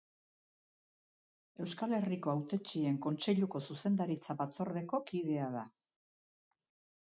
Euskal Herriko Hautetsien Kontseiluko zuzendaritza batzordeko kidea da.